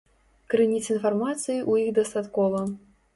Крыніц інфармацыі ў іх дастаткова.